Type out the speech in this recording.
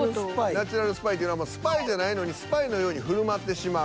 ナチュラルスパイっていうのはスパイじゃないのにスパイのように振る舞ってしまう。